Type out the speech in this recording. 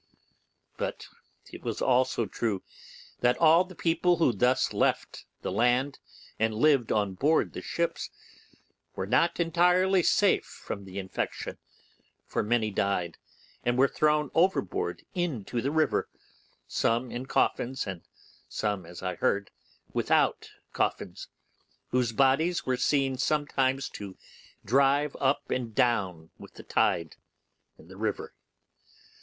But it was also true that all the people who thus left the land and lived on board the ships were not entirely safe from the infection, for many died and were thrown overboard into the river, some in coffins, and some, as I heard, without coffins, whose bodies were seen sometimes to drive up and down with the tide in the river.